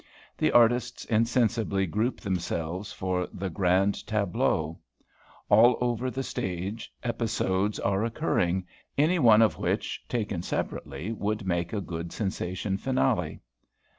The artists insensibly group themselves for the grand tableau. All over the stage episodes are occurring, any one of which taken separately would make a good sensation finale.